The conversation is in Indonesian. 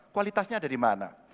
kualitasnya ada di mana